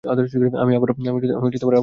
আমি আবারো ক্ষমা চাচ্ছি।